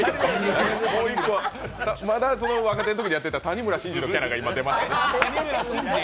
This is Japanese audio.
まだ若手のときにやってた谷村新司のキャラが今出ましたね。